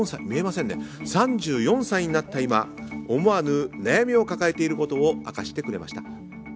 ３４歳になった今思わぬ悩みを抱えていることを明かしてくれました。